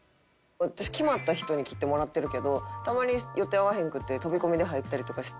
私決まった人に切ってもらってるけどたまに予定合わへんくて飛び込みで入ったりとか。